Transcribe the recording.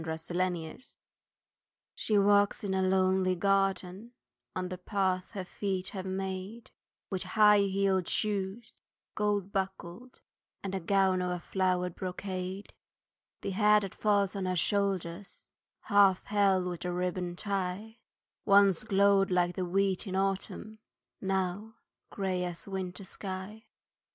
THE OLD MAID She walks in a lonely garden On the path her feet have made, With high heeled shoes, gold buckled, And gown of a flowered brocade; The hair that falls on her shoulders, Half held with a ribbon tie, Once glowed like the wheat in autumn, Now grey as a winter sky.